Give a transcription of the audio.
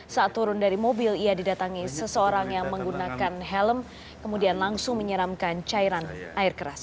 saat turun dari mobil ia didatangi seseorang yang menggunakan helm kemudian langsung menyeramkan cairan air keras